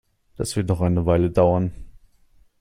Das wird noch eine Weile dauern.